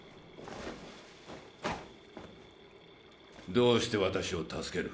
どうして私を助ける？